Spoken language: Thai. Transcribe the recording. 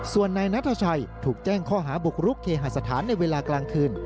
ส่วนนายนัทชัยถูกแจ้งข้อหาบุกรุกเคหาสถานในเวลากลางคืน